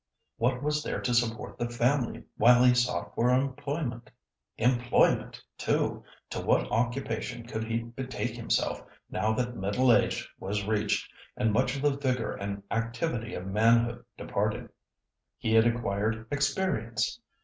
What was there to support the family while he sought for employment? Employment, too! To what occupation could he betake himself, now that middle age was reached, and much of the vigour and activity of manhood departed? He had acquired "experience."